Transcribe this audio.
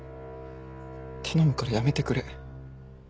頼むからやめてくれ。